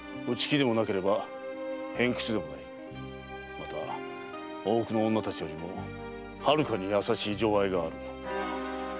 また大奥の女たちよりもはるかに優しい情愛がある。